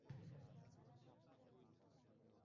Vannada suv tiqilib qolyapti.